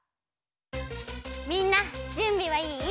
みんなじゅんびはいい？